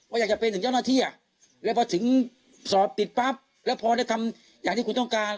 อยากจะเป็นถึงเจ้าหน้าที่อ่ะแล้วพอถึงสอบปิดปั๊บแล้วพอได้ทำอย่างที่คุณต้องการ